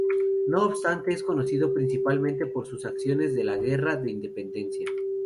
No obstante, es conocido principalmente por sus acciones en la Guerra de Independencia.